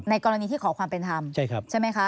ในกรณีที่ขอความเป็นธรรม